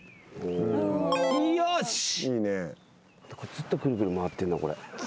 ずっとくるくる回ってんなこれ。